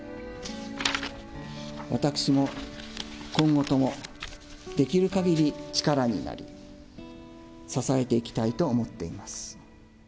私も、今後とも、できるかぎり力になり、支えていきたいと思っています。